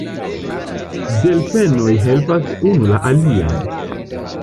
Delfenoj helpas unu la alian.